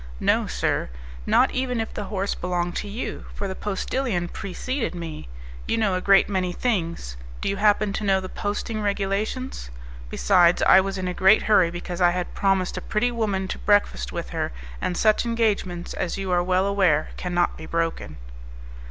"No, sir, not even if the horse belonged to you, for the postillion preceded me. You know a great many things; do you happen to know the posting regulations? Besides, I was in a great hurry because I had promised a pretty woman to breakfast with her, and such engagements, as you are well aware, cannot be broken."